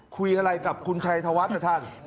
คุยอะไรกับคุณชัยธวัฒน์นะท่าน